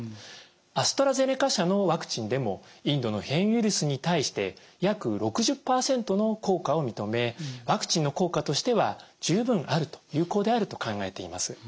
アストラゼネカ社のワクチンでもインドの変異ウイルスに対して約６０％の効果を認めワクチンの効果としては十分あると有効であると考えています。